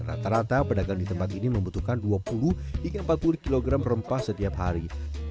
rata rata pedagang di tempat ini membutuhkan dua puluh hingga empat puluh kg rempah setiap hari